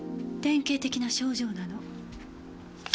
典型的な症状なの。